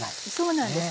そうなんですね。